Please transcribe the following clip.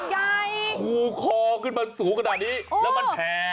สักครู่ข่อขึ้นมาสูงขนาดนี้แล้วมันแผ่